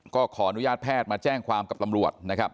ก็ขออนุญาตแพทย์มาแจ้งความกับตำรวจนะครับ